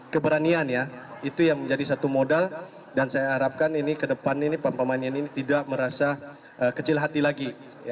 keberanian ya itu yang menjadi satu modal dan saya harapkan ini ke depan ini pemain pemainnya ini tidak merasa kecil hati lagi